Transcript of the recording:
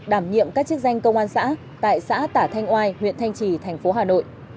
đảm nhiệm các chức danh công an xã tại xã tả thanh oai huyện thanh trì thành phố hà nội